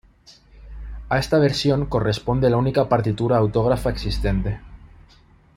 A esta versión corresponde la única partitura autógrafa existente.